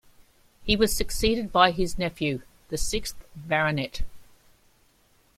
He was succeeded by his nephew, the sixth Baronet.